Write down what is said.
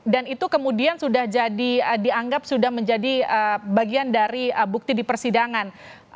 dan itu kemudian sudah dianggap sudah menjadi bagian dari bukti dipersidangan